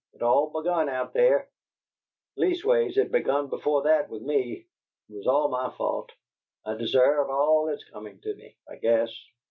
It all begun out there, least ways it begun before that with me. It was all my fault. I deserve all that's comin' to me, I guess.